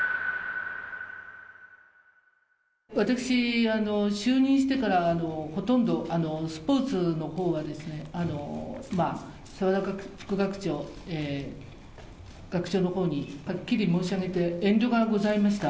私、就任してからほとんど、スポーツのほうは澤田副学長、学長のほうに、はっきり申し上げて遠慮がございました。